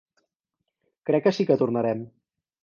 Crec que sí que tornarem.